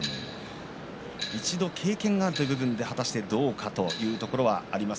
１度経験があるという部分で果たしてどうかというところはあります。